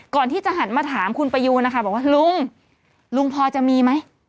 ก่อนที่จะหันมาถามคุณประยูนนะคะบอกว่าลุงลุงพอจะมีไหม